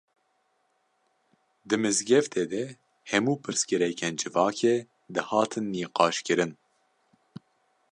Di mizgeftê de hemû pirsgirêkên civakê, dihatin niqaş kirin